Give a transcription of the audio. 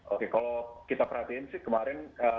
oke kalau kita perhatiin sih kemarin